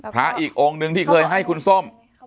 พระอีกองค์นึงที่เคยให้คุณส้ม